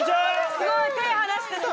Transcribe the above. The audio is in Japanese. すごい手離してる。